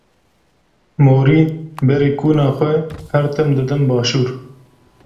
Morî berê kuna xwe her tim didin başûr.